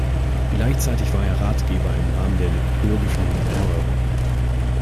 Gleichzeitig war er Ratgeber im Rahmen der liturgischen Erneuerung.